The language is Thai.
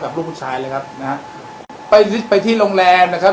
ลูกผู้ชายเลยครับนะฮะไปไปที่โรงแรมนะครับ